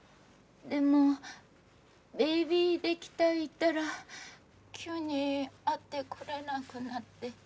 でもベイビーできた言ったら急に会ってくれなくなって。